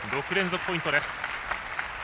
６連続ポイントです。